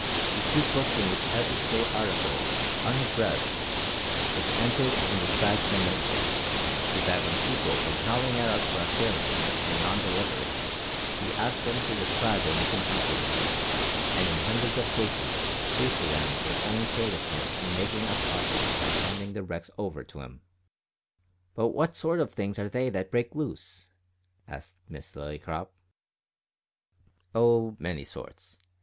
"We keep books in which every stray article, unaddressed, is entered and described minutely, so that when people come howlin' at us for our carelessness in non delivery, we ask 'em to describe their missing property, and in hundreds of cases prove to them their own carelessness in makin' up parcels by handin' the wrecks over to 'em!" "But what sort of things are they that break loose?" asked Miss Lillycrop. "Oh, many sorts.